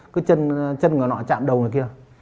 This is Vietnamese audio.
cứ chân ngựa nọ chạm đầu này kia